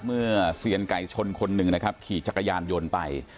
เซียนไก่ชนคนหนึ่งนะครับขี่จักรยานยนต์ไป